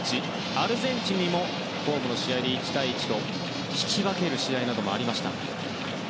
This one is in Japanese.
アルゼンチンにもホームの試合で１対１と引き分ける試合もありました。